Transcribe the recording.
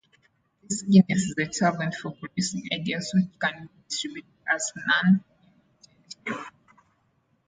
This genius is a talent for producing ideas which can be described as non-imitative.